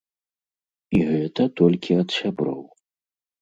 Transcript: І гэта толькі ад сяброў.